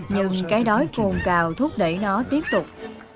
nhưng cái đói cồn cào thúc đẩy nó tiếp tục